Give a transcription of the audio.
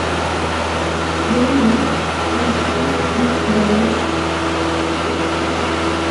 Burman and S. D. Burman.